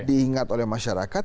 diingat oleh masyarakat